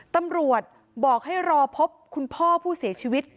ตำรวจบอกให้รอพบคุณพ่อผู้เสียชีวิต